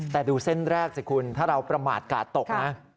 แต่ดูเส้นแรกสิคุณถ้าเราประมาทกาดตกนะ